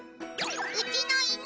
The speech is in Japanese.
うちの犬！